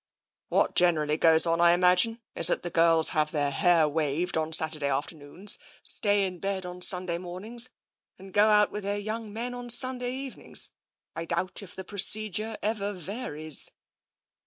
" What generally goes on, I imagine, is that the girls have their hair waved on Saturday afternoons, stay in bed on Sunday mornings, and go out with their young men on Sunday evenings. I doubt if the procedure ever varies."